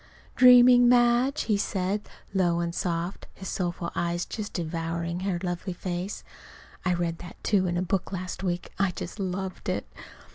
"Dreaming, Madge?" he said, low and soft, his soulful eyes just devouring her lovely face. (I read that, too, in a book last week. I just loved it!)